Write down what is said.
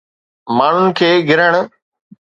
ماڻهن کي گرهڻ